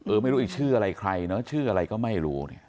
ไม่รู้อีกชื่ออะไรใครเนอะชื่ออะไรก็ไม่รู้เนี่ย